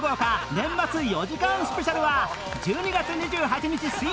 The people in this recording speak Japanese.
年末４時間スペシャルは１２月２８日水曜よる６時